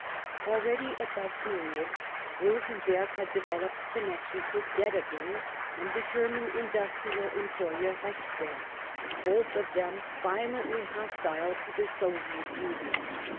Already at that period Rosenberg had developed connections with Deterding and the German industrial employer Rechberg, both of them violently hostile to the Soviet* Union.